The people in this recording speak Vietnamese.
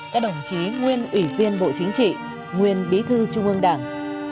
các đồng chí nguyên ủy viên bộ chính trị nguyên bí thư trung ương đảng